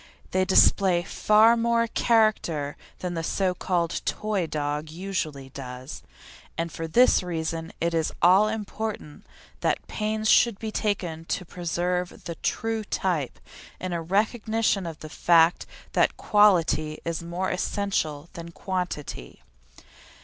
They display far more character than the so called "toy dog" usually does, and for this reason it is all important that pains should be taken to preserve the true type, in a recognition of the fact that quality is more essential than quantity.